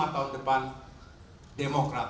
lima tahun depan demokrat